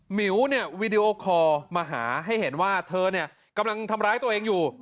หมิวเนี่ยวีดีโอคอลมาหาให้เห็นว่าเธอเนี่ยกำลังทำร้ายตัวเองอยู่